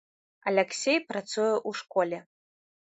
Аляксей працуе ў школе.